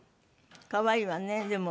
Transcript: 可愛いわねでも。